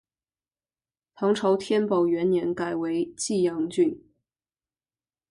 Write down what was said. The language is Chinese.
唐朝天宝元年改为济阳郡。